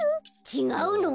ちがうの？